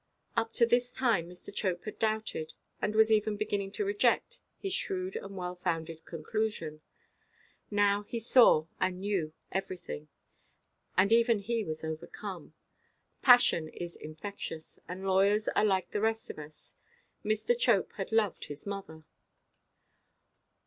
Up to this time Mr. Chope had doubted, and was even beginning to reject his shrewd and well–founded conclusion. Now he saw and knew everything. And even he was overcome. Passion is infectious; and lawyers are like the rest of us. Mr. Chope had loved his mother.